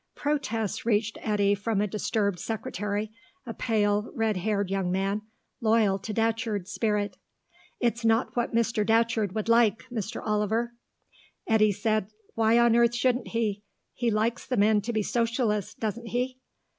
Protests reached Eddy from a disturbed secretary, a pale, red haired young man, loyal to Datcherd's spirit. "It's not what Mr. Datcherd would like, Mr. Oliver." Eddy said, "Why on earth shouldn't he? He likes the men to be Socialists, doesn't he?"